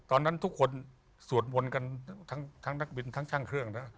ตอนนั้นทุกคนสวดวนทั้งนักบินทั้งช่างเครื่องแล้ว